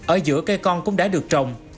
ở giữa cây con cũng đã được trồng